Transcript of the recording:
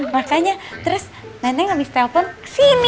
makanya terus neneng abis telpon kesini